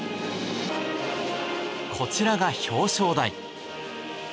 こちらが表彰台。